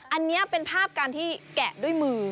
อันนี้เป็นภาพการที่แกะด้วยมือ